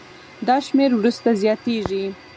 دا شمېر وروسته زیاتېږي.